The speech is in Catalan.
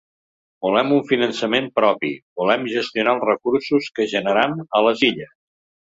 Volem un finançament propi, volem gestionar els recursos que generam a les illes.